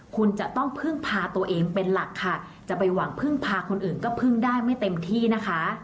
คุณจะต้องพึ่งพาตัวเองเป็นหลักค่ะจะไปหวังพึ่งพาคนอื่นก็พึ่งได้ไม่เต็มที่นะคะ